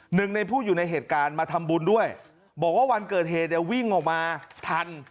หนึ่งในผู้อยู่ในเหตุการณ์มาทำบุญด้วยบอกว่าวันเกิดเหตุเนี่ยวิ่งออกมาทัน